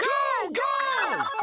ゴー！